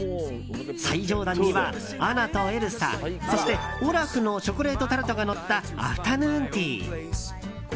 最上段にはアナとエルサそしてオラフのチョコレートタルトがのったアフタヌーンティー。